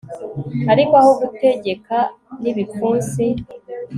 ariko aho gutegeka n'ibipfunsi